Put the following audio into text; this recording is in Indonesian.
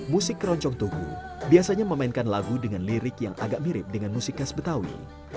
musik keroncong tugu biasanya memainkan lagu dengan lirik yang agak mirip dengan musik khas betawi